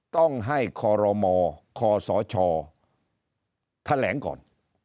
ต้องให้คอรมคศแถลงก่อน